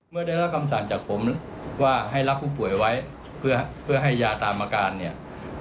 เมื่อได้รับคำสั่งจากผมว่าให้รับผู้ป่วยไว้เพื่อให้ยาตามอาการเนี่ย